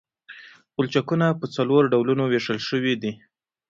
پلچکونه په څلورو ډولونو ویشل شوي دي